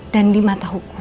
dan di mata hukum